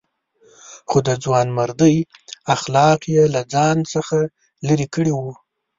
خو د ځوانمردۍ اخلاق یې له ځان څخه لرې کړي وو.